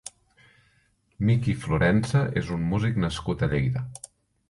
Miki Florensa és un músic nascut a Lleida.